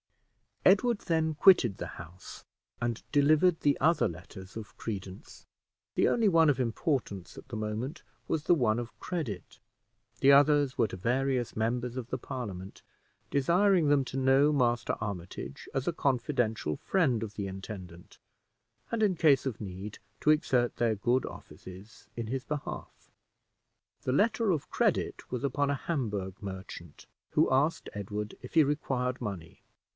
Edward then quitted the house, and delivered the other letters of credence; the only one of importance at the moment was the one of credit; the others were to various members of the Parliament, desiring them to know Master Armitage as a confidential friend of the intendant, and, in case of need, to exert their good offices in his behalf. The letter of credit was upon a Hamburgh merchant, who asked Edward if he required money.